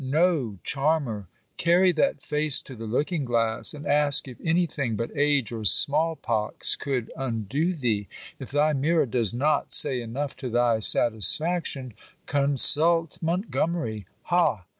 no charmer! Carry that face to the looking glass, and ask if any thing but age or small pox could undo thee! If thy mirror does not say enough to thy satisfaction, consult Montgomery. Ha!